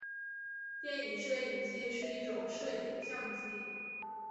电影摄影机是一种摄影相机。